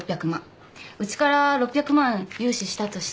うちから６００万融資したとして。